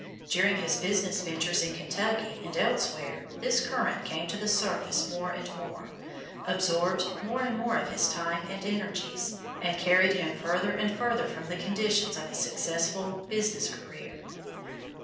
During his business ventures in Kentucky and elsewhere this current came to the surface more and more, absorbed more and more of his time and energies, and carried him further and further from the conditions of a successful business career.